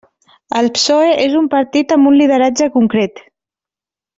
El PSOE és un partit amb un lideratge concret.